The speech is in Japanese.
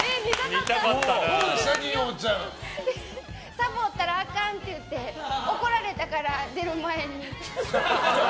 サボったらあかんって言って怒られたから出る前に。